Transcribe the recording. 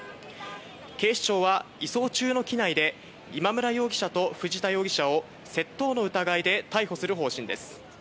警視庁は移送中の機内で今村容疑者と藤田容疑者を窃盗の疑いで逮捕する方針です。